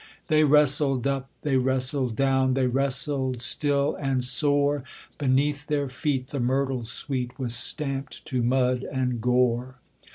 They wrestled up, they wrestled down, They wrestled still and sore; Beneath their feet the myrtle sweet Was stamped to mud and gore.